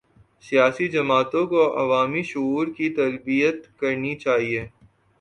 سیاسی جماعتوں کو عوامی شعور کی تربیت کرنی چاہیے۔